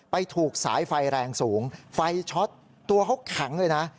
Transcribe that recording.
ถูกสายไฟแรงสูงไฟช็อตตัวเขาแข็งเลยนะ